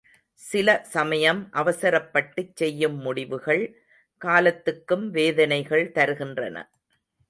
சில சமயம் அவசரப்பட்டுச் செய்யும் முடிவுகள் காலத்துக்கும் வேதனைகள் தருகின்றன.